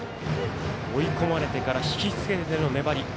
追い込まれてからひきつけての粘り。